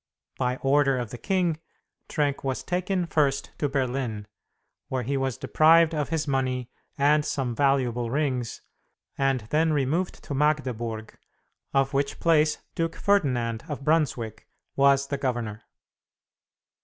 By order of the king, Trenck was taken first to Berlin, where he was deprived of his money and some valuable rings, and then removed to Magdeburg, of which place Duke Ferdinand of Brunswick was the governor.